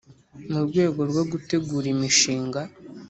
mu rwego rwo gutegura imishinga